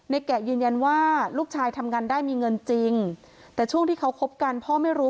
แกะยืนยันว่าลูกชายทำงานได้มีเงินจริงแต่ช่วงที่เขาคบกันพ่อไม่รู้